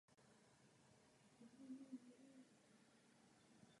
Stalo se také dějištěm atentátu, kterým začala první světová válka.